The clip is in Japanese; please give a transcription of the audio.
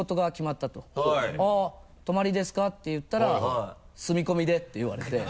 「泊まりですか？」って言ったら「住み込みで」って言われて。